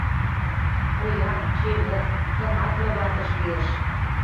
Поян, чевер, тыматле ватыже лиеш.